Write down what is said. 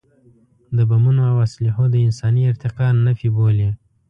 د بمونو او اسلحو د انساني ارتقا نفي بولي.